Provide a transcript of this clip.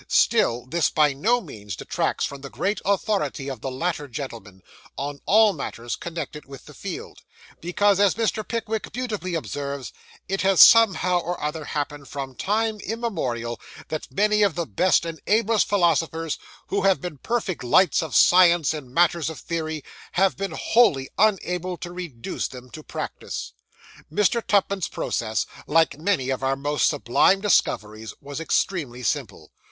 Still, this by no means detracts from the great authority of the latter gentleman, on all matters connected with the field; because, as Mr. Pickwick beautifully observes, it has somehow or other happened, from time immemorial, that many of the best and ablest philosophers, who have been perfect lights of science in matters of theory, have been wholly unable to reduce them to practice. Mr. Tupman's process, like many of our most sublime discoveries, was extremely simple.